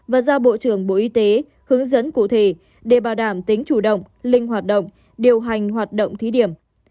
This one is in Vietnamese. và ra bộ trưởng bộ y tế hướng dẫn cụ thể để bảo đảm tính chủ động linh hoạt động điều hành hoạt động thí điểm